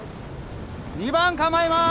二番構えます。